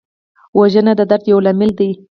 وژنه د درد یو لامل دی